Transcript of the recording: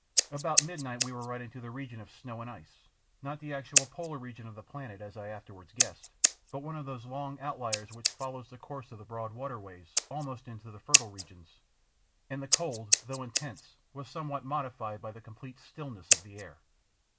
About midnight we were right into the region of snow and ice, not the actual polar region of the planet, as I afterwards guessed, but one of those long outliers which follow the course of the broad waterways almost into fertile regions, and the cold, though intense, was somewhat modified by the complete stillness of the air.